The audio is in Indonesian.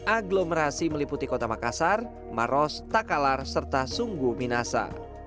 aglomerasi meliputi kota makassar maros takalar serta sungguh minasa